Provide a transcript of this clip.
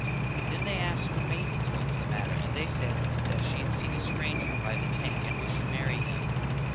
Then they asked her maidens what was the matter and they said that she had seen a stranger by the tank and wished to marry him.